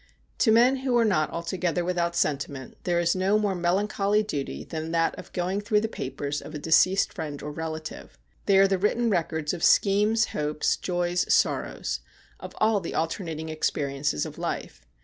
To men who are not altogether without sentiment there is no more melancholy duty than that of going through the papers of a deceased friend or relative. They are the written records of schemes, hopes, joys, sorrows ; of all the alternating experiences of life.